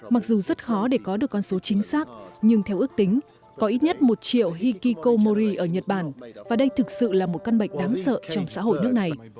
mặc dù rất khó để có được con số chính xác nhưng theo ước tính có ít nhất một triệu hikikomori ở nhật bản và đây thực sự là một căn bệnh đáng sợ trong xã hội nước này